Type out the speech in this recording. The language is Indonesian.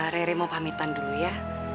rere mau pamitan dulu ya